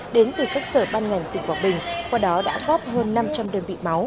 đến từ các sở ban ngành tỉnh quảng bình qua đó đã góp hơn năm trăm linh đơn vị máu